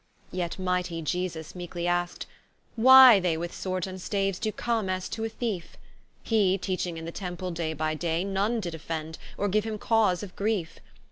Yet mighty IE S V S meekely ask'd, Why they With Swords and Staves doe come as to a Thiefe? Hee teaching in the Temple day by day None did offend, or give him cause of griefe.